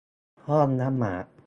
ห้องละหมาด